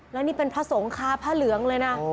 แล้วนี่เป็นพระสงฆ์คาพระเหลืองเลยนะ